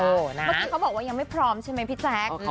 เมื่อกี้เขาบอกว่ายังไม่พร้อมใช่ไหมพี่แจ๊ค